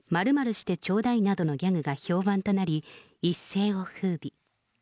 ○してちょうだいなどのギャグが評判となり、一世をふうび。